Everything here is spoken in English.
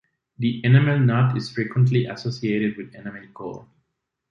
The enamel knot is frequently associated with an enamel cord.